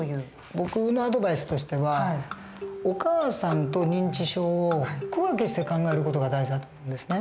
僕のアドバイスとしてはお母さんと認知症を区分けして考える事が大事だと思うんですね。